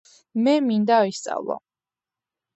მე მინდა ვისწავლო